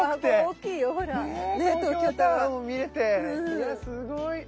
いやすごい。